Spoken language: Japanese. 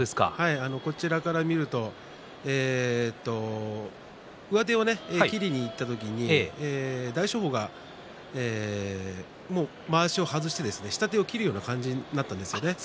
こちらから見ると上手を切りにいった時に大翔鵬がまわしを外して下手を切るような感じになったんですね。